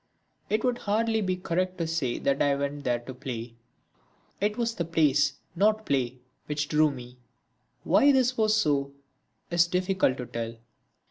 It would hardly be correct to say that I went there to play it was the place not play, which drew me. Why this was so, is difficult to tell.